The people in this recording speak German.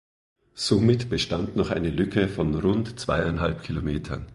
Somit bestand noch eine Lücke von rund zweieinhalb Kilometern.